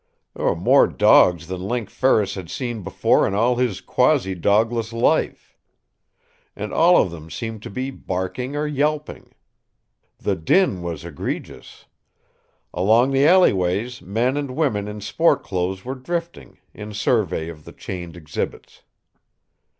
There were more dogs than Link Ferris had seen before in all his quasi dogless life. And all of them seemed to be barking or yelping. The din was egregious. Along the alleyways, men and women in sport clothes were drifting, in survey of the chained exhibits.